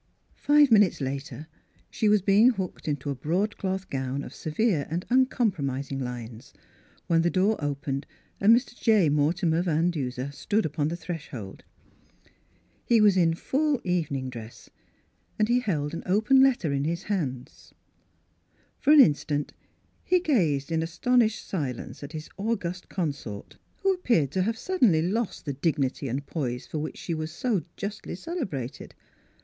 Five minutes later she was being hooked into a broadcloth gown of severe and un compromising lines, when the door opened and Mr. J. ^Mortimer Van Duser stood upon the threshold. He was in full even M2SS Philura^s Wedding Gown ing dress, and he held an open letter in his hands. For an instant he gazed in astonished silence at his august consort, who appeared to have suddenly lost the dignity and poise for which she was so justly celebrated.